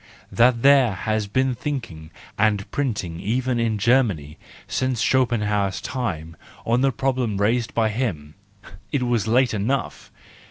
That there has been thinking and printing even in Germany since Schopenhauer's time on the problem raised by him,—it was late enough!